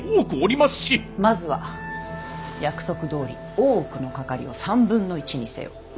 まずは約束どおり大奥のかかりを３分の１にせよ。